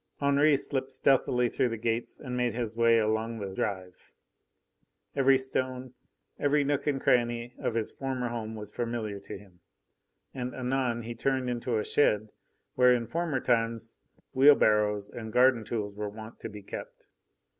Henri slipped stealthily through the gates and made his way along the drive. Every stone, every nook and cranny of his former home was familiar to him, and anon he turned into a shed where in former times wheelbarrows and garden tools were wont to be kept.